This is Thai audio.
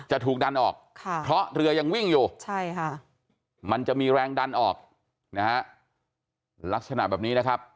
จะถูกดันออกเพราะเรือยังวิ่งอยู่ใช่ค่ะมันจะมีแรงดันออกนะฮะลักษณะแบบนี้นะครับ